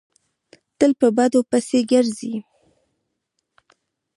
تل په بدو پسې ګرځي.